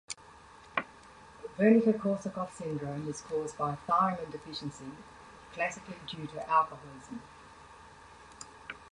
Wernicke-Korsakoff syndrome is caused by thiamine deficiency, classically due to alcoholism.